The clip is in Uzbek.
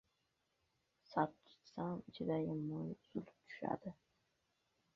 Sapchitsam, ichidagi moyi uzilib tushadi.